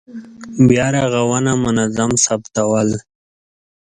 بیا رغونه منظم ثبتول.